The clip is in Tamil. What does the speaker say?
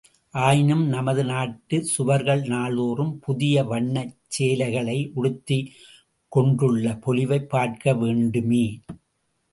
ஆயினும் நமது நாட்டுச் சுவர்கள் நாள்தோறும் புதிய வண்ணச் சேலைகளை உடுத்திக் கொண்டுள்ள பொலிவைப் பார்க்கவேண்டுமே!